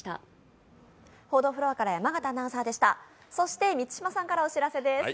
そして満島さんからお知らせです。